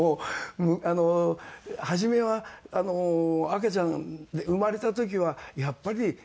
あの初めは赤ちゃん生まれた時はやっぱり。